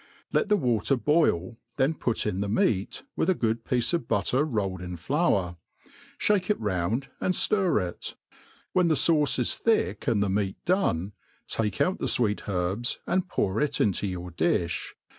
Let the water boil, then put in the meat, with a good piece of butter rolled in flour, ihake it round, and ftir it. When the fauce is thick and the meat done, take out the fweet herbs, and pour it into your diih.